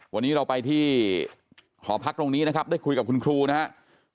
วันนี้เราไปที่หอพักตรงนี้นะครับได้คุยกับคุณครูนะครับ